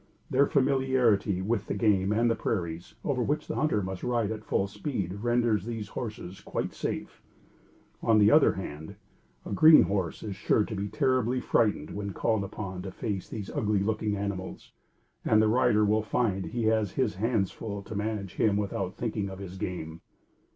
Their familiarity with the game and the prairies, over which the hunter must ride at full speed, renders these horses quite safe. On the other hand a green horse is sure to be terribly frightened when called upon to face these ugly looking animals, and the rider will find he has his hands full to manage him without thinking of his game.